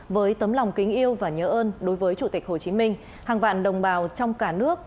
với tấm lòng kính yêu và nhớ ơn đối với chủ tịch hồ chí minh hàng vạn đồng bào trong cả nước